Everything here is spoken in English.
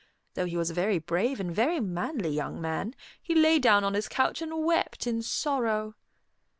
Though he was a very brave and very manly young man, he lay down on his couch and wept in sorrow.